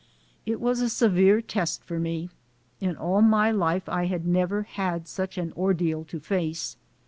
It was a severe test for me ; in all my life I had never had such an ordeal to face.